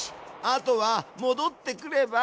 あとはもどってくれば。